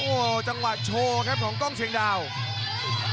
โอ้โหจังหวะโชว์ครับของกล้องเชียงดาว